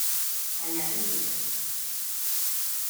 Tallat en pedra.